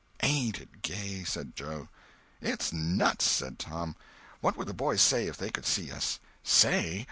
"Ain't it gay?" said Joe. "It's nuts!" said Tom. "What would the boys say if they could see us?" "Say?